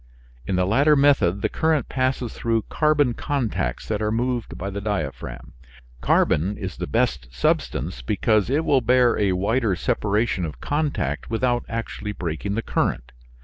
In the latter method the current passes through carbon contacts that are moved by the diaphragm. Carbon is the best substance, because it will bear a wider separation of contact without actually breaking the current.